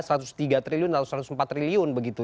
rp satu ratus tiga triliun atau satu ratus empat triliun begitu